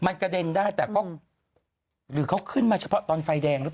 มันกระเด่นได้แต่ก็หรือเขาขึ้นมาเฉพาะตอนไฟแดง